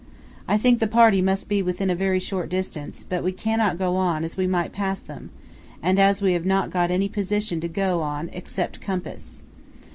I think the party must be within a very short distance, but we cannot go on as we might pass them, and as we have not got any position to go on except compass.